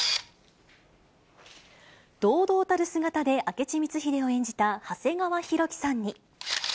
堂々たる姿で明智光秀を演じた長谷川博己さんに。